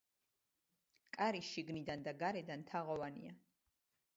კარი შიგნიდან და გარედან თაღოვანია.